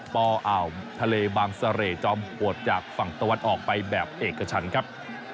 อ่าวทะเลบางเสร่จอมโหดจากฝั่งตะวันออกไปแบบเอกชันครับ